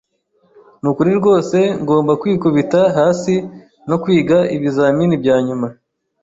Nukuri rwose ngomba kwikubita hasi no kwiga ibizamini byanyuma.